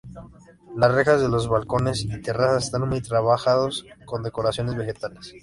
Las rejas de los balcones y terrazas están muy trabajados con decoraciones vegetales.